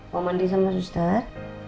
mau mandi sama suster